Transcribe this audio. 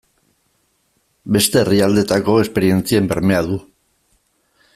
Beste herrialdeetako esperientzien bermea du.